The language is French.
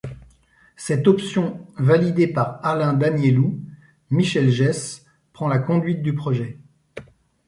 Cette option validée par Alain Daniélou, Michel Geiss prend la conduite du projet.